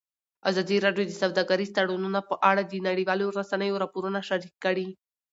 ازادي راډیو د سوداګریز تړونونه په اړه د نړیوالو رسنیو راپورونه شریک کړي.